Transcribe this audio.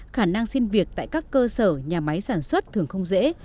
khả năng xin việc tại các cơ sở nhà máy sản xuất thường không dễ